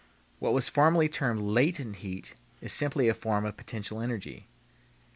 What was formerly termed latent heat is simply a form of potential energy.